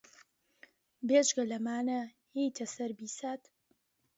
بێجگە لەمانە یێتە سەر بیسات